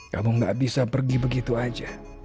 kamu gak bisa pergi begitu aja